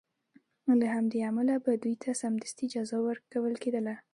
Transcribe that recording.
له همدې امله به دوی ته سمدستي جزا ورکول کېدله.